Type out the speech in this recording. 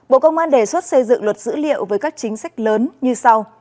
bộ công an đề xuất xây dựng luật dữ liệu với các chính sách lớn như sau